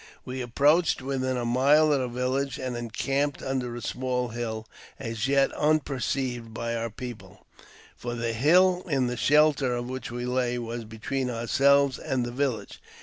We approached within a mile of the village, and encamped under a small hill, as yet un perceived by our people, for the hill in the shelter of which we lay was between ourselves and the village.